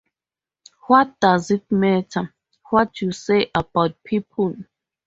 What does it matter what you say about people?